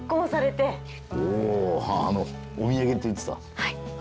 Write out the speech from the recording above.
はい。